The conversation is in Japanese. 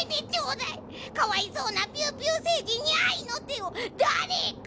かわいそうなピューピューせいじんにあいのてをだれか！